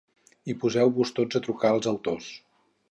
I poseu-vos tots a trucar als autors.